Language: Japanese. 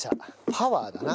パワーだな。